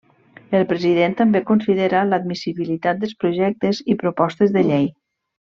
El President també considera l'admissibilitat dels projectes i propostes de llei.